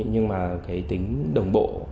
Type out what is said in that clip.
nhưng mà cái tính đồng bộ